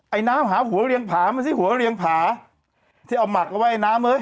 ไอ้น้ำหาหัวเลี่ยงผามาสิ